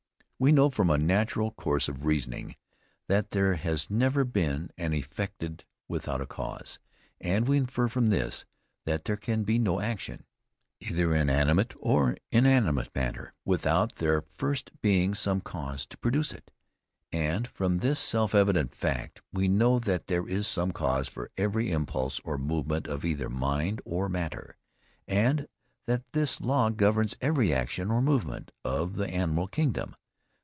We know from a natural course of reasoning, that there has never been an effected without a cause, and we infer from this, that there can be no action, either in animate or inanimate matter, without there first being some cause to produce it. And from this self evident fact we know that there is some cause for every impulse or movement of either mind or matter, and that this law governs every action or movement of the animal kingdom.